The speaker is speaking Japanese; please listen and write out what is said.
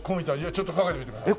ちょっとかけてみてください。